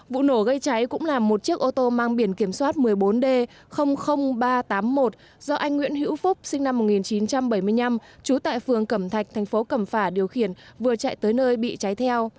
vụ nổ gây cháy cũng là một chiếc ô tô mang biển kiểm soát một mươi bốn d ba trăm tám mươi một do anh nguyễn hữu phúc sinh năm một nghìn chín trăm bảy mươi năm trú tại phường cẩm thạch thành phố cẩm phả điều khiển vừa chạy tới nơi bị cháy theo